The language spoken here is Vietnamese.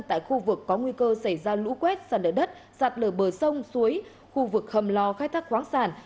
tại khu vực có nguy cơ xảy ra lũ quét sạt lở đất sạt lở bờ sông suối khu vực hầm lò khai thác khoáng sản